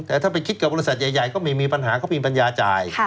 แต่ถ้าไปคิดกับบริษัทใหญ่ก็ไม่มีปัญหาเขามีปัญญาจ่าย